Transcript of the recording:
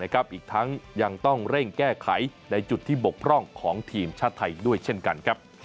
อีกทั้งยังต้องเร่งแก้ไขในจุดที่บกพร่องของทีมชาติไทยด้วยเช่นกันครับ